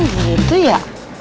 oh gitu ya